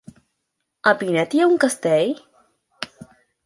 A Pinet hi ha un castell?